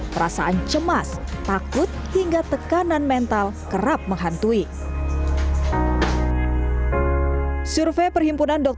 perasaan cemas takut hingga tekanan mental kerap menghantui